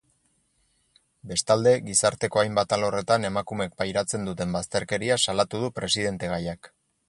Bestalde, gizarteko hainbat alorretan emakumeek pairatzen duten bazterkeria salatu du presidentegaiak.